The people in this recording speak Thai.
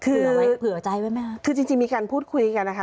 เผื่อใจไหมคือจริงมีการพูดคุยกันนะคะ